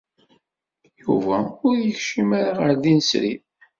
Yuba ur yekcim ara ɣer din srid.